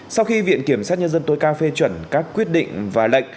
sau khi viện kiểm sát nhân dân tối cao phê chuẩn các quyết định và lệnh